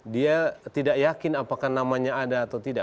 dia tidak yakin apakah namanya ada atau tidak